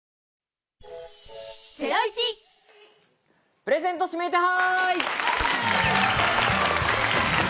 プレゼント指名手配！